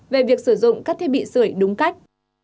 về việc sử dụng các thiết bị sửa đúng cách